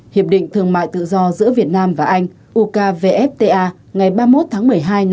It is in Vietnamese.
hiệp định thương mại tự do giữa việt nam và anh ukvfta ngày ba mươi một tháng một mươi hai